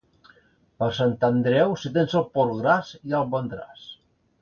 Per Sant Andreu, si tens el porc gras, ja el vendràs.